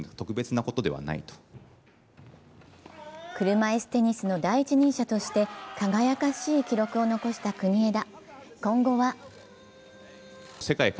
車いすテニスの第一人者として輝かしい記録を残した国枝。